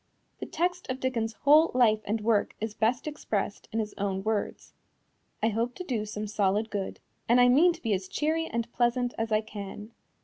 The text of Dickens's whole life and work is best expressed in his own words: "I hope to do some solid good, and I mean to be as cheery and pleasant as I can."